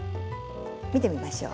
見てみましょう。